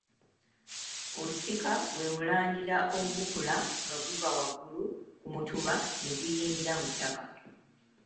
Olusika gwe mulandira ogukula nga guva waggulu ku mutuba ne guyingira mu ttaka.